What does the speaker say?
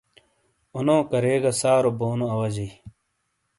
اونو کَریگہ سارو بونو اواجئیی۔